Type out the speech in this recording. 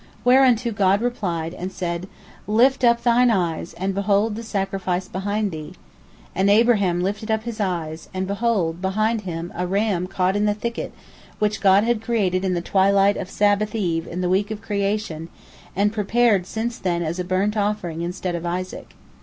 Whereunto God replied, and said, "Lift up thine eyes, and behold the sacrifice behind thee." And Abraham lifted up his eyes, and, behold, behind him a ram caught in the thicket, which God had created in the twilight of Sabbath eve in the week of creation, and prepared since then as a burnt offering instead of Isaac.